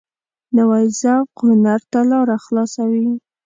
نوی ذوق هنر ته لاره خلاصوي